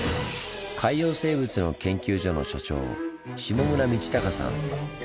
海洋生物の研究所の所長下村通誉さん。